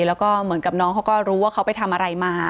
แล้วก็เหมือนกับน้องเขาก็รู้ว่าเขาไปทำอะไรมา